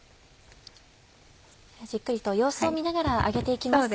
じっくりと様子を見ながら揚げて行きます。